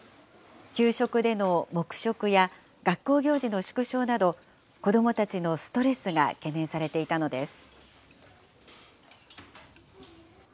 給食での黙食や学校行事の縮小など、子どもたちのストレスが懸念されていたのです。